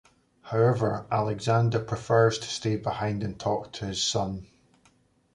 However, Alexander prefers to stay behind and talk to his son.